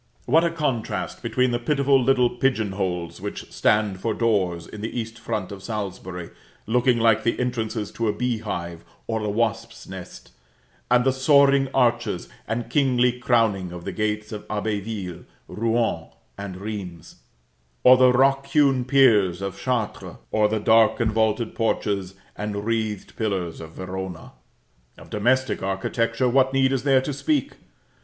What a contrast between the pitiful little pigeon holes which stand for doors in the east front of Salisbury, looking like the entrances to a beehive or a wasp's nest, and the soaring arches and kingly crowning of the gates of Abbeville, Rouen, and Rheims, or the rock hewn piers of Chartres, or the dark and vaulted porches and writhed pillars of Verona! Of domestic architecture what need is there to speak?